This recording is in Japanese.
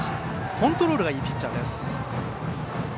コントロールがいいピッチャーです。